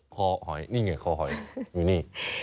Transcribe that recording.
คอหอยนี่ไงคอหอยดูนี่